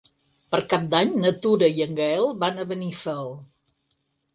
Per Cap d'Any na Tura i en Gaël van a Benifaió.